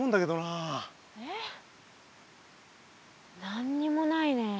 何にもないね。